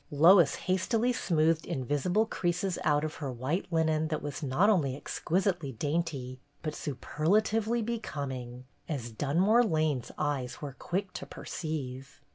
Lois hastily smoothed invisible creases out of her white linen that was not only exquisitely dainty but superlatively becoming, as Dun more Lane's eyes were quick to perceive.